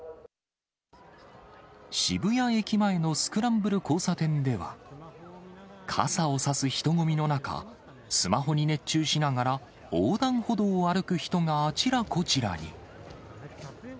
渋谷駅前のスクランブル交差点では、傘を差す人混みの中、スマホに熱中しながら、横断歩道を歩く人があちらこちらに。